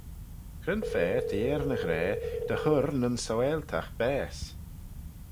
Cre'n fa t'eh er ny ghra dy hurr nyn saualtagh baase?